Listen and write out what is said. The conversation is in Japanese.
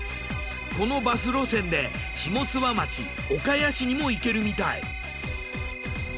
このバス路線で下諏訪町岡谷市にも行けるみたい。